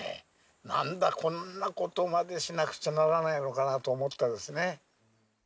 なんだ、こんなことまでしなくちゃならないのかなと思ったですね。